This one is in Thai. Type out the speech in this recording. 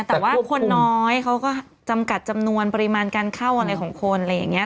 แต่ว่าคนน้อยเขาก็จำกัดจำนวนปริมาณการเข้าอะไรของคนอะไรอย่างนี้